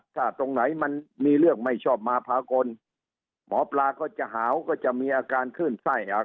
ถ้าตรงไหนมันมีเรื่องไม่ชอบมาพากลหมอปลาก็จะหาวก็จะมีอาการขึ้นไส้อาก